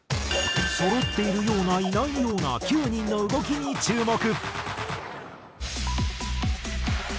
そろっているようないないような９人の動きに注目。